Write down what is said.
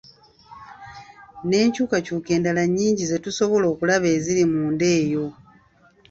N'enkyukakyuka endala nnyingi ze tutasobola kulaba eziri munda eyo.